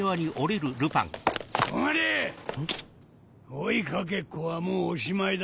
追いかけっこはもうおしまいだ。